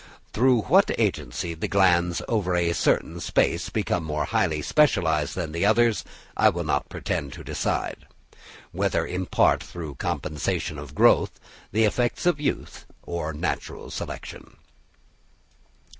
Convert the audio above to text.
Through what agency the glands over a certain space became more highly specialised than the others, I will not pretend to decide, whether in part through compensation of growth, the effects of use, or of natural selection.